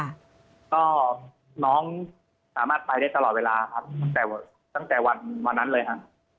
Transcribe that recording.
ก็น้องสามารถไปได้ตลอดเวลาครับแต่ตั้งแต่วันวันนั้นเลยฮะ